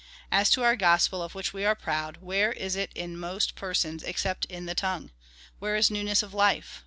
As to our gospel, of which we are proud,^ where is it in most persons except in the tongue ? Where is newness of life